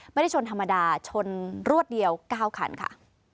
ไม่ได้ชนธรรมดาชนรวดเดียว๙คันค่ะ